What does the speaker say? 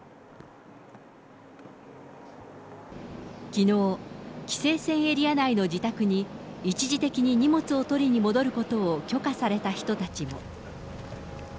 きのう、規制線エリア内の自宅に、一時的に荷物を取りに戻ることを許可された人たちも。